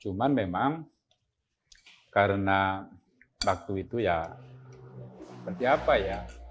cuman memang karena waktu itu ya seperti apa ya